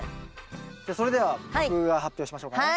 じゃそれでは僕が発表しましょうかね。